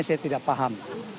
saya tidak paham